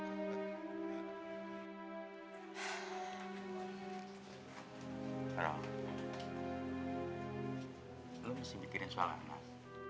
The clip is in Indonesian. lo masih mikirin soal anak